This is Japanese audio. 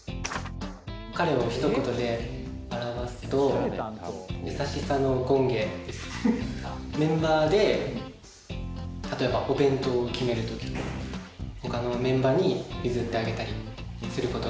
彼をひと言で表すとメンバーで例えばお弁当を決める時とかほかのメンバーに譲ってあげたりすることが多いと思います。